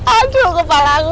aduh kepala aku